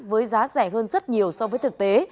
với giá rẻ hơn rất nhiều so với thực tế